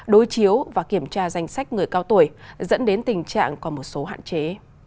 đối chiếu và kiểm tra danh sách người cao tuổi dẫn đến tình trạng có một số hạn chế